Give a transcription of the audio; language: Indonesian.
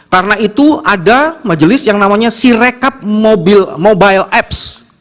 karena itu ada majelis yang namanya sirecap mobile apps